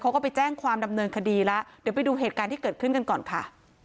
เขาก็ไปแจ้งความดำเนินคดีแล้วเดี๋ยวไปดูเหตุการณ์ที่เกิดขึ้นกันก่อนค่ะ